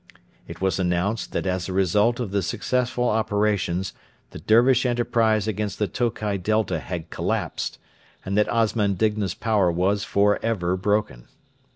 It was announced that as a result of the successful operations the Dervish enterprise against the Tokai Delta had collapsed, and that Osman Digna's power was for ever broken.